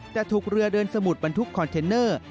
แต่ถูกเรือเดินสมุดบรรทุกคอนเทนเนอร์